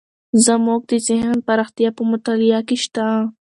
زموږ د ذهن پراختیا په مطالعه کې شته.